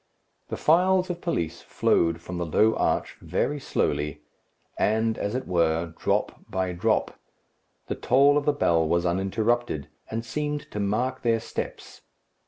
The files of police flowed from the low arch very slowly, and, as it were, drop by drop. The toll of the bell was uninterrupted, and seemed to mark their steps.